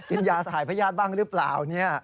กินยาถ่ายพญาติบ้างหรือเปล่าเนี่ย